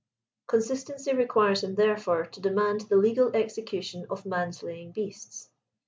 Consistency requires him therefore to demand the legal execution of man slaying beasts.